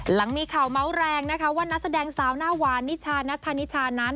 หลังมีข่าวเมาส์แรงนะคะว่านักแสดงสาวหน้าหวานนิชานัทธานิชานั้น